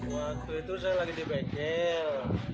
waktu itu saya lagi di bengkel